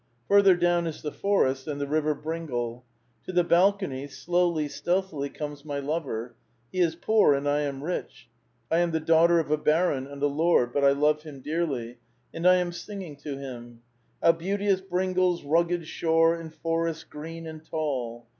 Further down is the forest and the river Bringal. To the balcony slowly, stealthily, comes my lover; he is poor, and I am rich ; I am the daughter of a baron and a lord, but I love him dearly, and I am singing to him, — How beauteous BringaPs rugged shore. Its forests green and tall